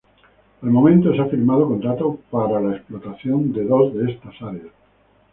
Al momento se ha firmado contrato para la explotación de dos de estas áreas.